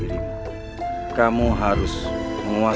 dan membuatnya menjadi seorang yang berguna